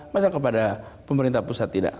masa kepada pemerintah pusat tidak